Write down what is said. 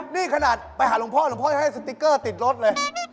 นี่ขนาดไปหาหลวงพ่อหลวงพ่อให้สติ๊กเกอร์ติดรถเลย